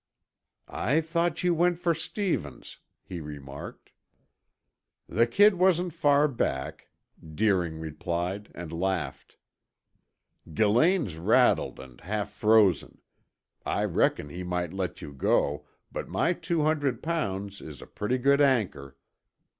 "I thought you went for Stevens," he remarked. "The kid wasn't far back," Deering replied and laughed. "Gillane's rattled and half frozen. I reckon he might let you go, but my two hundred pounds is a pretty good anchor.